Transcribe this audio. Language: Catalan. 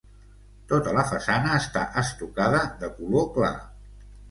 Tota la façana està estucada de color clar.